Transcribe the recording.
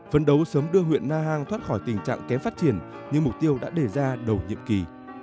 phấn đấu sớm đưa huyện na hàng thoát khỏi tình trạng kém phát triển như mục tiêu đã đề ra đầu nhiệm kỳ